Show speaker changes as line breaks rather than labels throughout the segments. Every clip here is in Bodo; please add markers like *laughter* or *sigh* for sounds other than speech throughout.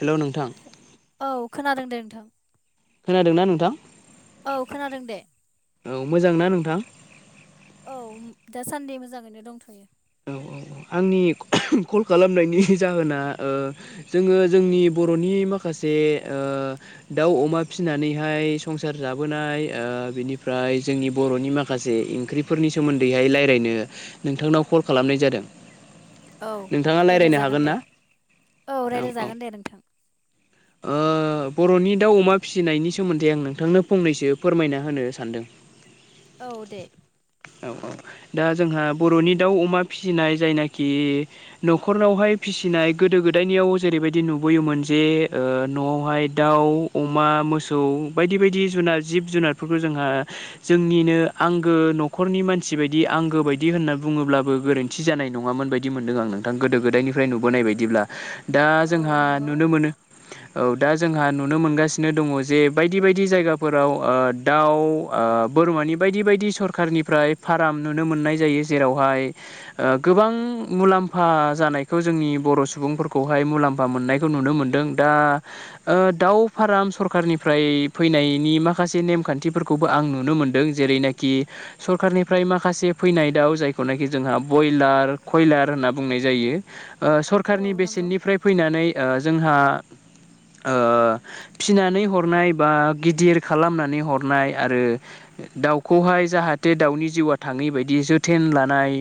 हेलौ नोंथां
औ खोनादों दे नोंथां
खोनादोंना नोंथां?
औ खोनादों दे
औ मोजांना नोंथां?
औ दा सान्दि मोजाङैनो दंथयो
औ औ आंनि कल खालामनायनि जाहोना ओ जोङो जोंनि बरनि माखासे ओ दाउ अमा फिसिनानैहाय संसार जाबोनाय ओ ओ बिनिफ्राय जोंनि बर'नि माखासे ओंख्रिफोरनि सोमोन्दैहाय रायलायनो नोंथांनाव कल खालामनाय जादों
औ
नोंथाङा रायलायनो
रायलायजागोन
हागोन
दे
ना औ औ
रायलायजागोन दे नोंथां
ओ बरनि दाउ अमा फिसिनायनि सोमोन्दै आं नोंथांनो फंनैसो फोरमायना होनो सानदों *inaudible*
औ दे
औ औ दा जोंहा बरनि दाउ अमा फिसिनाय जायनाखि नखरनावहाय फि- सिनाय गोदो गोदायनियाव जेरैबायदि नुबोयोमोन जे नआवहाय दाउ अमा मोसौ बायदि बायदि जुनार जिब जुनारफोरखौ जोंहा जोंनिनो आंगो नखरनि मानसि बायदि आंगो बायदि होनना बुङोब्लाबो गोरोन्थि जानाय नङामोन बायदि मोनदों आं नोंथां गोदो गोदायनि- फ्राय नुबोनाय बायदिब्ला दा जोंहा
औ नंगौ
नुनो मोनो औ दा जोंहा नुनो मोनगासिनो दङ जे बायदि बायदि जायगाफोराव आ दाउ आ बोरमानि बायदि बायदि सर- सरखारनिफ्राय फार्म नुनो मोननाय जायो जेरावहाय गोबां मुलाम्फा जा- नायखौ जोंनि बर सुबुंफोरखौहाय मुलामा मोननायखौ नुनो मोनदों दा दउ फार राम सरखारनिफ्राय फैनायनि माखासे नेमखान्थिफोरखौबो आं नुनो मोनदों जेरैनाखि सरखारारनिफ्राय माखासे फैनाय दावउ जायखौनाखि जोंहा ब्रयलार कयलार होनना बुंनाय जायो ओ
औ
सरखारनि
नंगौ
बेसेननिफ्राय फैनानै ओ जोंहा ओ फिनानै हरनाय बा गिदिर खालामनानै हरनाय आरो दाउखौहाय जाहाथे दाउनि जिउआ थाङै बायदि जोथेन लानाय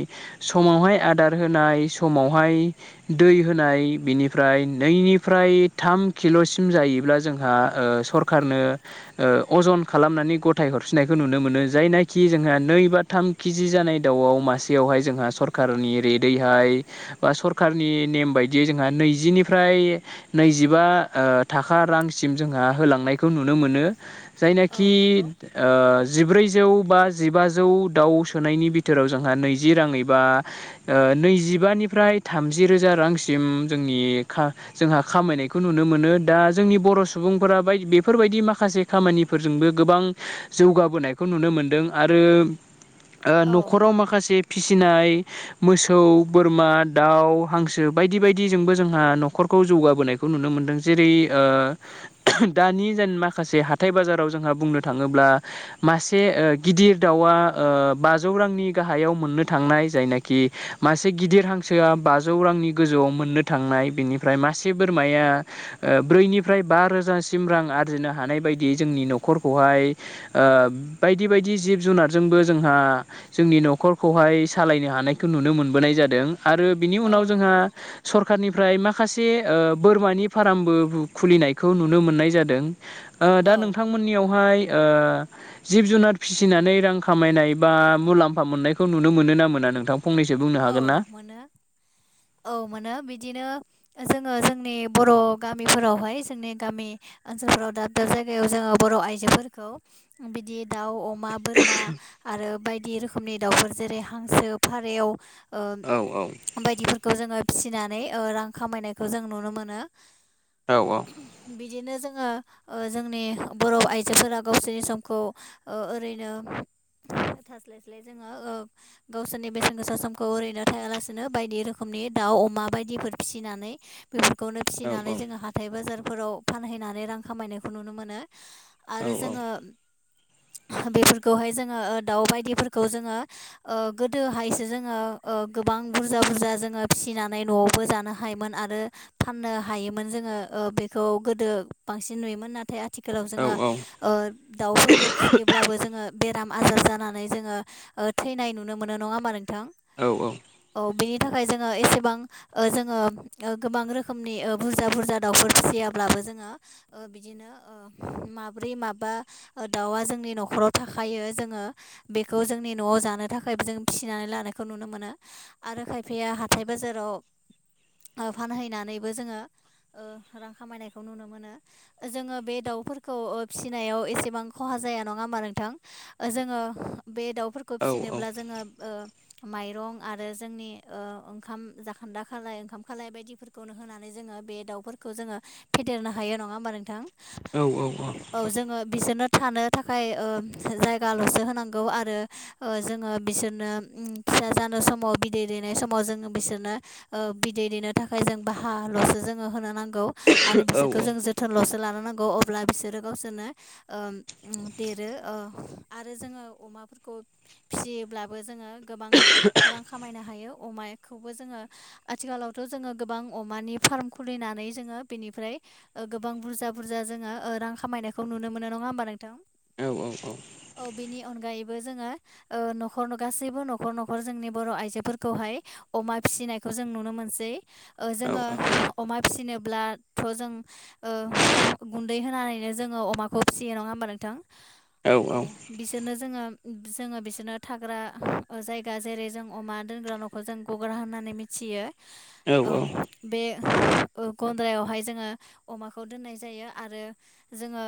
समावहाय आदार होनाय समाव बेहाय दै होनाय बिनिफ्राय नैनिफ्राय थाम किलसिम जायोब्ला जों जोंहा ओ सखारनो अजन ओ खालामनानै गथाय हरफिननायखौ नुनो मोनो जायना खि जोंहा नै बा थाम केजि जानाय दाउआव मासेयावहाय जोंहा सरखारारनि रेटैहाय बा सरखारारनि नेम बायदियै जोंहा नैजिनिफ्राय नैजिबा थाखा रां सिम जोंहा होलांनायखौ नुनो मोनो
औ
जायनाखि
नंगौ
ओ जिब्रैजौ बा जिबौ दाउ सोनायनि बिथोराव जोंहा नैजि राङै बा नैजिबानि निफ्राय थामजि रोजा रांसिम जोंनि खा जोंहा खामनायखौ नुनो मोन दा जोंनि बर सुबुंफोरा बाय बेफोरबायदि माखासे खामानिफोरजोंबो गोबां जौगाबोनायखौ नुनो मोनदों आरो ओ
औ
नखराव माखासे फिसिनाय मोसौ बोरमा दाउ हांसो बायदि बायदिजोंबो जोंहा नखर जौगाबोनायखौ नुनो मोनदों जेरै दानि जेन माखासे हाथाय बाजाराव जोंहा बुंनो थाङोब्ला मासे ओ गिदिर दाउआ बाजौ रांनि गाहायाव मोननो थांनाय जायनाखि मासे गिदिर हां सोआ बाजौ रांनि गोजौआव मोननो थांनाय बेनिफ्राय मासे बोरमाया ब्रैनिफ्राय बा रोजासिम रां आरजिनो हानाय बायदि जोंनि न'खरखौहाय बायदि बायदि जिब जुनारजोंबो जोंहा जोंनि न'खरखौहाय सालायनो हानायखौ नुनो मोनबोनाय जादों आरो बिनि
औ
उनाव जोंहा
नंगौ
सरखारनि फ्राय माखासे ओ बोरमानि फार्मबो खुलिनायखौ नुनो मोननाय जादों ओ दा
औ
नोंथांमोननियावहाय ओ जिब जुनार फिसिनानै रां खामायनाय बा मुलाम्फा मोननायखौ नुनो मोनो ना मोना नोंथां। फंनैसो बुंनो
औ
हागोन ना?
मोनो औ मोनो बिदिनो जोङो जोंनि बर' गामिफोरावहाय जोंनि गामि ओनसोलफोराव दाब दाब जायगायाव जोङो बर' आइजोफोरखौ बिदि दाउ अमा बोरमा आरो बायदि रोखोमनि दाउफोर जेरै हांसो फारेव
औ
ओ बायदिफोरखौ जोङो फिसिनानै ओ रां खामायनायखौ जों नुनो मोनो।
औ
बिदिनो जोङो ओ जोंनि बर' आइजोफोरा गावसोरनि समखौ ओ ओरैनो थास्लाय स्लाय जोङो ओ गावसोरनि बेसेन गोसा सम खौ ओरैनो थायालासेनो बायदि रोखोमनि दाउ अमा बायदिफोर फिसिनानै बेफोरखौनो
औ
फिसिनानै जोङो हाथाय बाजारफोराव फानहैनानै रां खामायनायखौ नुनो मोनो।
औ
आरो जोङो बेफोरखौहाय जोङो ओ दाउ बायदिफोरखौ जोङो ओ गोदोहायसो जोङो ओ गोबां बुरजा बुरजा जोङो फिसिनानै न'आवबो जानो हायोमोन आरो फाननो हायोमोन जों जोङो ओ बेखौ गोदो बांसिन नुयोमोन नाथाय। आथिखालाव
औ
जोङो
औ
ओ दाउफोरखौ फिसियोब्लाबो जोङो बेराम आजार जानानै जोङो ओ थैनाय नुनो मोनो नङा होमबा नोंथां
औ औ
थाखाय जोङो एसेबां ओ जोङो गोबां रोखोमनि ओ बुरजा बुरजा दाउफोर फिसियाब्लाबो जोङो ओ बिदिनो ओ माब्रै माबा दाउवा जोंनि न'खराव थाखायो। जोङो बेखौ जोंनि न'आव जानो थाखायबो जों फिसिनानै लाना यखौ नुनो मोनो आरो खायफाया हाथाय बाजाराव ओ फानहैनानैबो जोङो ओ रां खामायनायखौ नुनो मोनो जोङो बे दाउफोरखौ ओ फिसिनायाव एसेबां खहा जाया नङा होमबा नोंथां जोङो बे दाउफोरखौ फिसिनोब्ला जोङो ओ माइरं आरो जोंनि ओ ओंखाम जाखोन्दा खालाय ओंखाम खालाय बायदिफोरखौनो होनानै जोङो बे दाउफोरखौ जोङो फेदेरनो हायो नङा होमबा नोंथां
औ औ औ
बिसोरनो थानो थाखाय ओ जायगाल'सो होनांगौ आरो ओ जोङो बिसोरनो फिसा जानो समाव बिदै दैेनाय समाव जोङो बिसोरनो ओ बिदै दैेनो थाखाय जों बाहा ल'सो जोङो होनो नांगौ आरो बिसोरखौ जों जोथोन ल'सो लानो। रोंनांगौ अब्ला बिसोरो गावसोरनो ओ देरो ओ आरो जोङो अमा फोरखौ फिसियोब्लाबो जोङो गोबां रां खामायनो हायो अमाखौबो जोङो आथिखालावथ' जोङो गोबां अमानि फार्म खुलिनानै जोङो बेनिफ्राय गोबां बुरजा बुरजा जोङो रां खामायनायखौ नुनो मोनो नङा। होमबा नोंथां
औ औ औ
अनगायैबो जोङो ओ न'खर गासैबो न'खर न'खर न'खर जोंनि बर' आइजोफोरखौहाय अमा फिसिनायखौ जों नुनो मोनसै ओ जोङो अमा फिसिनोब्लाथ' जों गुन्दै होनानैनो जोङो अमाखौ फिसियो नङा। होनबा नोंथां औ बिसोरनो जोङो जोङो बिसोरनो थाग्रा जायगा जेरै जों अमा दोनग्रा न'खौ जों गग्रा होननानै मिथियो
औ औ
ओम
औ
बे
*inaudible*
गन्द्रायावहाय जोङो अमाखौ दोननाय जायो आरो जोङो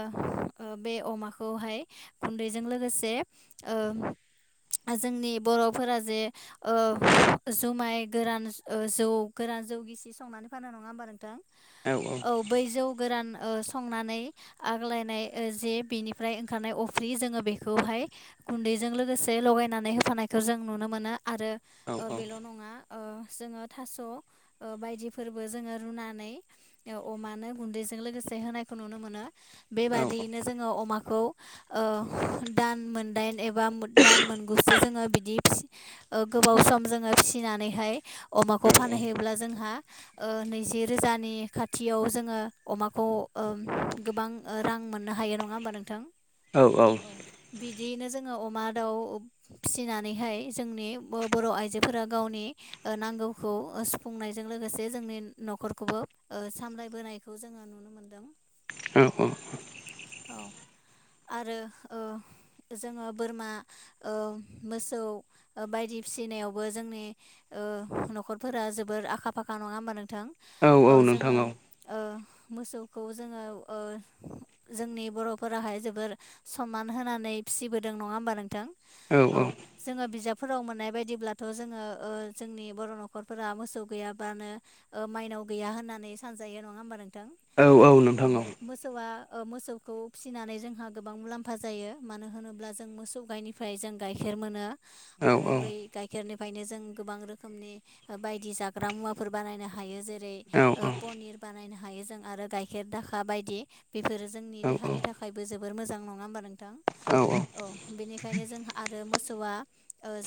बे अमा खौहाय गुन्दैजों लोगोसे ओ जोंनि बर'फोरा जे जुमाय गोरान जौ गोरान जौ गिसि संनानै नङा होनबा नोंथां औ बै जौ गोरान संनानै आग्लायनाय जे बिनिफ्राय ओंखारनाय अफ्रि जोङो बेखौहाय गुन्दैजों लोगोसे लायनानै होफानाय खौ जों नुनो मोनो आरो बेल' नङा जोङो थास' बायदिफोर जोंङो रुनानै अमानो गुन्दैजों लोगोसे होनायखौ नुनो मोनो बेबादि बिदिनो जोङो अमाखौ ओ दान मोनदाइन एबा दानमोनगुसो जोङो बि गोबाव सम जोङो फिसिनानैहाय अमाखौ फानैहैयोब्ला जोंहा नैजि रोजानि खाथियाव जोङो अमाखौ गोबां रां मोननो हायो नङाहोनबा नोंथां
औ औ
बिदियैनो जोङो अमा दाउ फिसिनानै नानैहाय जोंनि बर' आइजोफोरा गावनि नांगौखौ सुफुंनायजों लोगोसे जों जोंनि न'खरखौबो ओ सामलायबोनायखौ जोङो नुनो मोनदों
औ औ
औ आरो ओ जोङो बोरमा ओ मोसौ बायदि फिसिनायावबो जोंनि ओ न'खरफोरा जोबोर आखा फाखा नङाहोनबा नों नोंथां औ जोङो ओ मोसौखौ जोङो ओ जोंनि बर'फोराहाय जोबोर सनमान होनानै फिसिबोदों नङा होनबा नोंथां औ जोंङो बिजाब फोराव मोननाय बायदिब्लाथ' जोङो जोंनि बर' नख'रफोरा मोसौ गैयाब्लानो माइनाव गैया होननानै सानजायो नङा होनबा नोंथां
औ
औ
नोंथां
मोसौआ मोसौखौ फिसिनानै जोंहा गोबां मुलाम्फा जायो मानो होनोब्ला जों मोसौ गायनिफ्राय जों गाइखेर मोनो
औ
आरो बै गाइखेरनि बेनिफ्रायनो जों गोबां रोखोमनि बायदि जाग्रा मुवाफोर बानायनो हायो जेरै
औ
पनिर बानायनो हायो जों आरो गाइखेर दाखा बायदि बेफोरो जोंनि देहानि थाखायबो जोबोर मोजां नङा होमबा नोंथां
औ औ
बेनिखायनो जोंहा आरो मोसौआ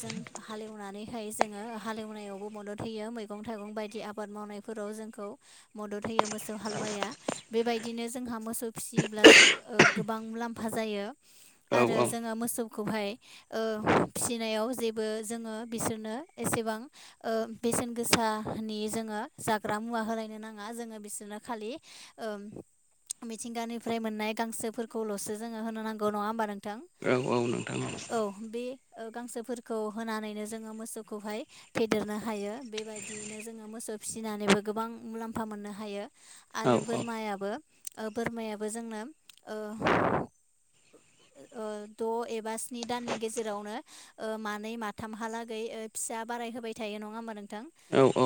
जों हालेवनानैहाय जोङो हालेवनायावबो मदद होयो मैगं थाइगं थाइगं बायदि आबाद मावनायफोराव जोंखौ मदद होयो मोसौ हालुवाया बेबायदिनो जोंहा मोसौ फिसियोब्लाो गोबां मुलाम्फा जायो
औ
आरो जोङो मोसौखौहाय ओ फिसिनायाव जेबो जोङो बिसोरनो एसेबां ओ बेसेन गोसानि जोङो जाग्रा मुवा होलायनो नाङा जोङो बिसोरनो खालि ओ मिथिंगानिफ्राय मोननाय गांसोफोरखौल'सो जोङो होनो नांगौ नङा होमबा नोंथां
औ औनो
औ बे गांसोफोरखौ होनानैनो जोङो मोसौखौहाय फेदेरनो हायो बेबायदियैनो जोङो मोसौ फिसिनानैबो गोबां मुलाम्फा मोननो हायो
औ औ
आरो बोरमायाबो बोरमायाबो जों आंनो ओ
*unintelligible* *inaudible*
ओ द' एबा सि स्नि दाननि गेजेरावनो मानै माथामहालागै फिसा बाराय होबाय थायो नङा होनबा नोंथां
औ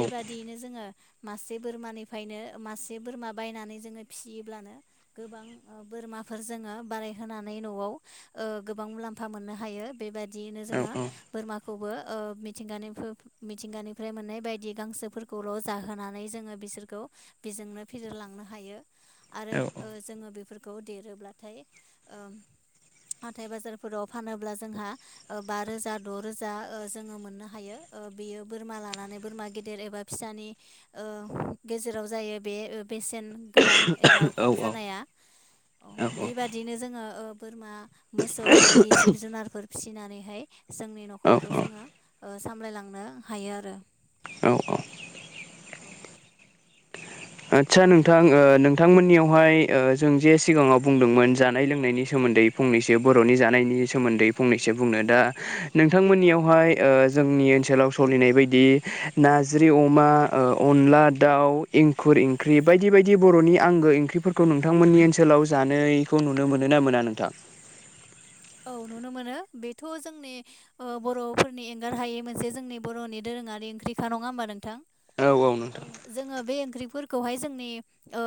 बेबादियैनो जोङो मासे बोरमानिफायनो मासे बोरमा बायनानै जोङो फिसि ब्लानो गोबां ओ बोरमाफोर जोङो बारायहोनानै नआव ओ गोबां मुलाम फा मोननो हायो बेबायदियैनो जोङो बोरमाखौबो ओ मिथिंगानिफो मिथिंगानिफ्राय मोननाय बायदि गांसोफोरखौल जाहोनानै जोङो बिसोरखौ बेजोंनो फेदेरलांनो हायो आरो ओ जोङो बेफोरखौ देरोब्लाथाय ओम हाथाइ बाजार फोराव फानोब्ला जोंहा ओ बा रोजा द रोजा ओ जोङो मोननो हायो ओ बेयो बोरमा लानानै बोरमा गेदेर एबा फिसानि ओ गेजेराव जायो बे ओ बेसेन गोबां एबा खम जानाया बेबादिनो जोङो ओ बोरमा मोसौ बायदि जिब जुनारफोर फिसिनानैहाय जोंनि नखरखौ जोङो ओ सामलायलांनो हायो रो
औ - औ आदसा नोंथां ओ नोंथांमोननियावहाय ओं जों जे सिगाङाव बुंदोंमोन जानाय लोंनायनि सोमोन दै फंनैसो बरनि जानायनि सोमोन्दै फंनैसो बुंनो दा
औ
नोंथांमोननियावहाय ओ जोंनि ओनसोलाव सलिनाय बायदि नाज्रि अमा ओ अनला दाउ खुर इंख्रि बायदि बायदि बरनि आंगो इंख्रिफोरखौ नोंथांमोननि ओनसोलाव जानायखौ नुनो मोनो ना मोना ना नोंथां
औ नुनो मोनो बेथ' जोंनि ओ बर'फोरनि एंगार हायै मोनसे जोंनि बर'नि दो दोरोङारि इंख्रिखा नङा होमबा नोंथां
औ औ नोंथां
जोङो बे ओंख्रिफोर खौहाय जोंनि ओ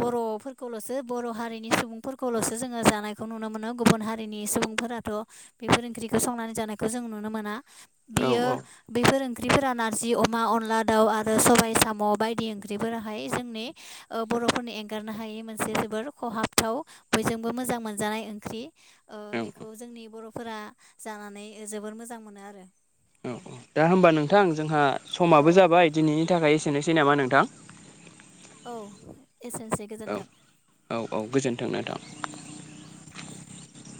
बर'फोरखौलसो बर' हारिनि सुबुंफोरखौलसो जोङो जानायखौ नुनो मोनो गुबुन हारिनि सुबुंफोराथ बेफोर ओंख्रिखौ संनानै जानायखौ जों नुनो मोना
औ
बियो बेफोर ओंख्रिफोरा नारजि, अमा, अनला दाउ आरो सबाय साम' बायदि ओंख्रिफोराहाय जोंनि बर'फोरनो एंगारनो हायै मोनसे जोबोर खहाबथाव बयजोंबो मोजां मोनजानाय ओंख्रि ओ
औ
बेखौ जोंनि बर'फोरा जानानै जोबोर मोजां मोनो आरो औ
दा होमबा नोंथां जोंहा समाबो
औ
जाबाय दिनैनि थाखाय एसेनोसै नामा नोंथां
औ एसेनोसै
औ
गोजोन्थों
- औ- औ गोजोनथों नोंथां *inaudible*